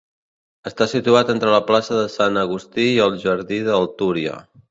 Està situat entre la plaça de Sant Agustí i el Jardí del Túria.